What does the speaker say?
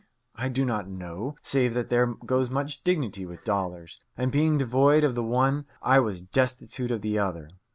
I do not know, save that there goes much dignity with dollars, and being devoid of the one I was destitute of the other.